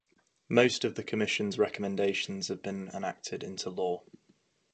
Most of the commission's recommendations have been enacted into law.